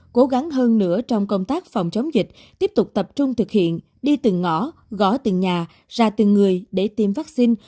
cố gắng hơn nữa trong công tác phòng chống dịch tiếp tục tập trung thực hiện đi từng ngõ gõ từng nhà ra từng người để tiêm vaccine